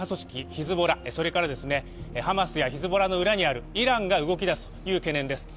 ヒズボラハマスやヒズボラの裏にいるイランが動きだすという懸念です。